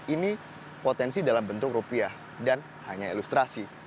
ini potensi dalam bentuk rupiah dan hanya ilustrasi